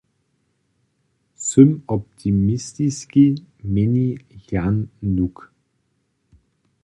Sym optimistiski, měni Jan Nuk.